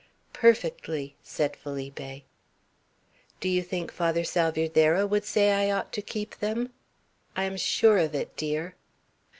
"Perfectly," said Felipe. "Do you think Father Salvierderra would say I ought to keep them?" "I am sure of it, dear."